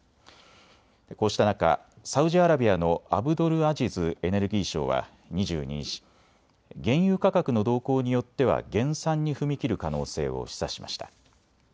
こうした中、サウジアラビアのアブドルアジズエネルギー相は２２日、原油価格の動向によっては減産に踏み切る可能性を示唆しました。